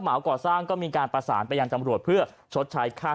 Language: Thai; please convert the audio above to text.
เหมาก่อสร้างก็มีการประสานไปยังจำรวจเพื่อชดใช้ค่า